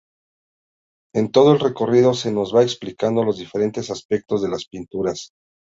En todo el recorrido se nos va explicando los diferentes aspectos de las pinturas.